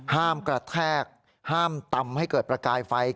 กระแทกห้ามตำให้เกิดประกายไฟ